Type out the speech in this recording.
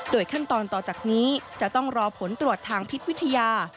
ขั้นตอนต่อจากนี้จะต้องรอผลตรวจทางพิษวิทยา